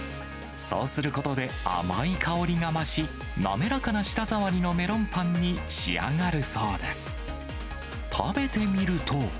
そうすることで甘い香りが増し、滑らかな舌触りのメロンパンに仕上がるそうです。